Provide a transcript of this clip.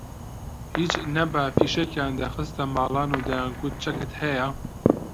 هیچ نەبا فیشەکیان دەخستە ماڵان و دەیانگوت چەکت هەیە